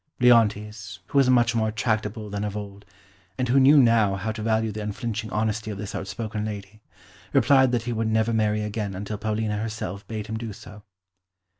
Leontes, who was much more tractable than of old, and who knew now how to value the unflinching honesty of this outspoken lady, replied that he would never marry again until Paulina herself bade him do so.